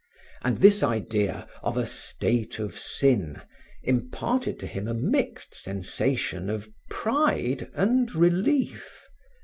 And this idea of a state of sin imparted to him a mixed sensation of pride and relief.